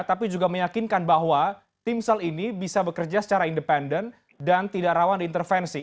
tapi juga meyakinkan bahwa timsel ini bisa bekerja secara independen dan tidak rawan diintervensi